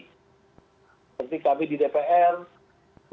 nanti kami di dpr begitu banyak bersebar fraksi fraksi